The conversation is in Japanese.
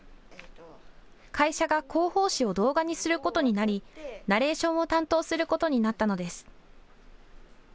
会社が広報誌を動画にすることになりナレーションを担当することになったのです。